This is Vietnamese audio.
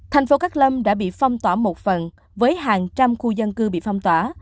thành phố cát lâm đã bị phong tỏa một phần với hàng trăm khu dân cư bị phong tỏa